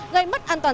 gây mất an toàn